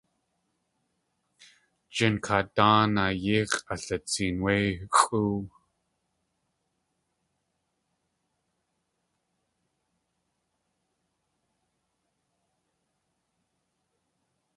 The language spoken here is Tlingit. Jinkaat dáanaa yéi x̲ʼalitseen wé xʼóow.